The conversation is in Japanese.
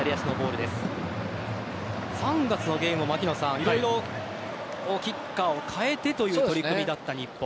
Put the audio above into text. ３月のゲーム、色々キッカーを代えてという取り組みだった日本。